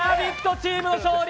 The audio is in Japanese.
チームの勝利。